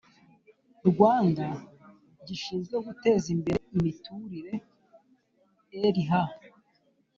Rwanda gishinzwe guteza imbere imiturire rha